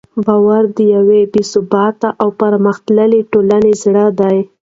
باور د یوې باثباته او پرمختللې ټولنې زړه دی.